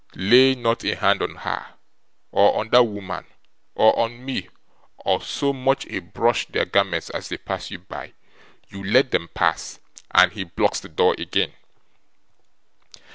Lay not a hand on her, or on that woman, or on me, or so much a brush their garments as they pass you by! You let them pass, and he blocks the door again!